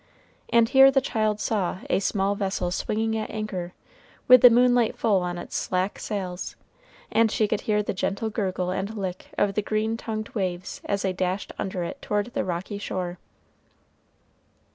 And here the child saw a small vessel swinging at anchor, with the moonlight full on its slack sails, and she could hear the gentle gurgle and lick of the green tongued waves as they dashed under it toward the rocky shore.